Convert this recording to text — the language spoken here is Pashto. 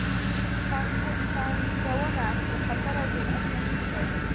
پانګونه د خطر او جرات ګډ نوم دی.